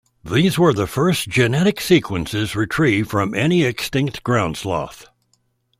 These were the first genetic sequences retrieved from any extinct ground sloth.